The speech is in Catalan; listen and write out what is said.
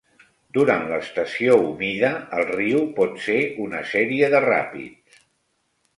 Durant l'estació humida, el riu pot ser una sèrie de ràpids.